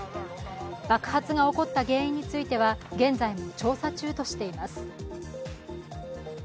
爆発が起こった原因については現在も調査中としています。